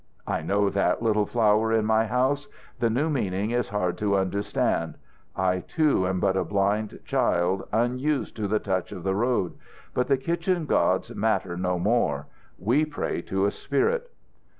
"I know that, little Flower in my House. The new meaning is hard to understand. I, too, am but a blind child unused to the touch of the road. But the kitchen gods matter no more; we pray to a spirit."